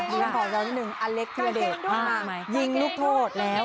ยิงต่อเจ้านิดนึงอเล็กที่เยอะเด็กยิงลูกโทษแล้ว